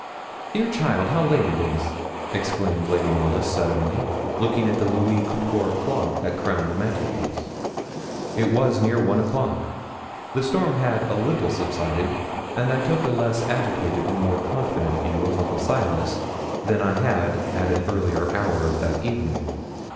'Dear child, how late it is!' exclaimed Lady Knollys suddenly, looking at the Louis Quatorze clock, that crowned the mantelpiece. It was near one o'clock. The storm had a little subsided, and I took a less agitated and more confident view of Uncle Silas than I had at an earlier hour of that evening.